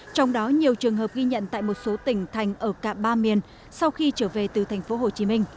trong đó nhiều trường hợp ghi nhận tại một số tỉnh thành ở cả ba miền sau khi trở về từ tp hcm